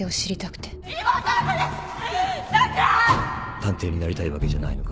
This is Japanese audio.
探偵になりたいわけじゃないのか？